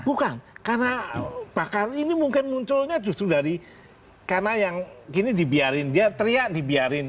bukan karena bakar ini mungkin munculnya justru dari karena yang ini dibiarin dia teriak dibiarin